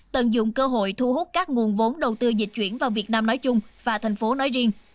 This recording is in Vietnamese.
tận dụng cơ hội thu hút các nguồn vốn đầu tư dịch chuyển vào việt nam nói chung và thành phố nói riêng